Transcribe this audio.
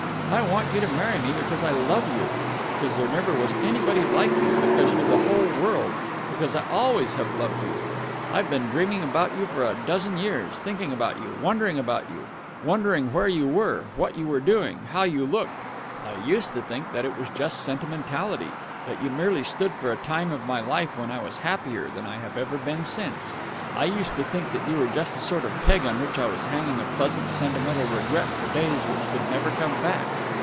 I want you to marry me because I love you, because there never was anybody like you, because you're the whole world, because I always have loved you. I've been dreaming about you for a dozen years, thinking about you, wondering about you wondering where you were, what you were doing, how you looked. I used to think that it was just sentimentality, that you merely stood for a time of my life when I was happier than I have ever been since. I used to think that you were just a sort of peg on which I was hanging a pleasant sentimental regret for days which could never come back.